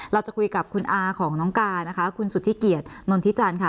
เราจะคุยกับคุณอาของน้องกานะคะคุณสุธิเกียจนนนทิจันทร์ค่ะ